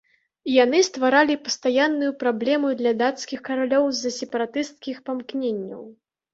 Яны стваралі пастаянную праблему для дацкіх каралёў з-за сепаратысцкіх памкненняў.